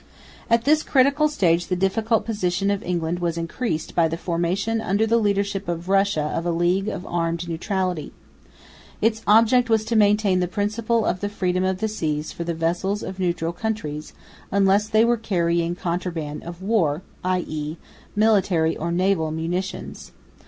At this critical stage the difficult position of England was increased by the formation under the leadership of Russia of a League of Armed Neutrality. Its object was to maintain the principle of the freedom of the seas for the vessels of neutral countries, unless they were carrying contraband of war, _i.e._military or naval munitions.